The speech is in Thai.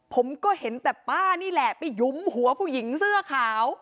ผมก็เห็นแต่ป้านี่แหละไปหยุมหัวผู้หญิงเสื้อขาว